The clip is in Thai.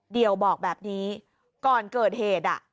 เดียวบอกแบบนี้ก่อนเกิดเหตุอ่ะ